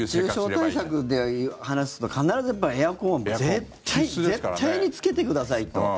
熱中症対策で話すと必ずエアコンは絶対、絶対につけてくださいっていう。